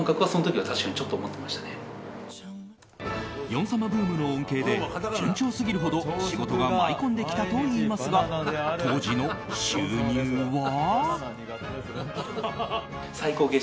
ヨン様ブームの恩恵で順調すぎるほど仕事が舞い込んできたといいますが、当時の収入は？